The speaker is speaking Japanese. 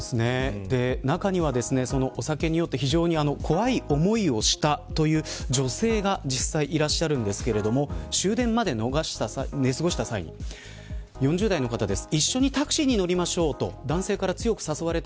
中にはお酒によって非常に怖い思いをしたという女性が、実際いらっしゃるんですけれども終電まで寝過ごした際４０代の方です。